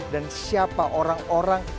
dan siapa orang orang